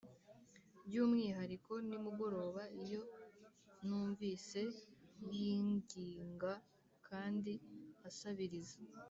'by'umwihariko nimugoroba iyo numvise yinginga kandi asabiriza.